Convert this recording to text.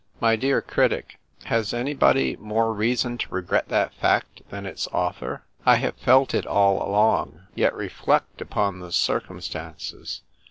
My dear critic, has anybody more reason to regret that fact than its author ? I have felt it all along. Yet reflect upon the cir cumstances.